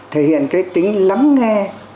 thể hiện cái tính lắng nghe